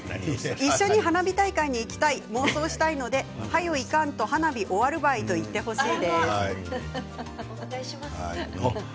一緒に花火大会に行きたい、妄想したいのではよ、行かんと花火終わるばいと言ってください。